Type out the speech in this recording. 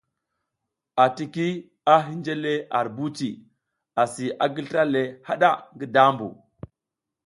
ATIKI a hinje le ar buci, asi a gi slra le haɗa ngi dambu.